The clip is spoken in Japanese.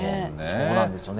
そうなんですよね。